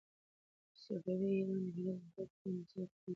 صفوي ایران د هرات د خلکو پر وړاندې سخت دريځ درلود.